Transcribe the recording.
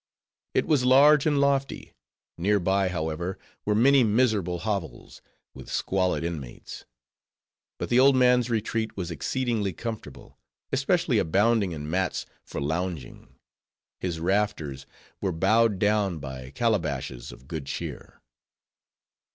It was large and lofty. Near by, however, were many miserable hovels, with squalid inmates. But the old man's retreat was exceedingly comfortable; especially abounding in mats for lounging; his rafters were bowed down by calabashes of good cheer.